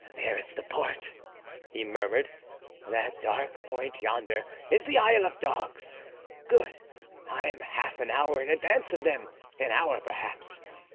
"There is the port," he murmured. "That dark point yonder is the Isle of Dogs. Good! I am half an hour in advance of them, an hour, perhaps.